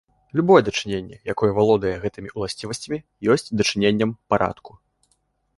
Любое дачыненне, якое валодае гэтымі ўласцівасцямі, ёсць дачыненнем парадку.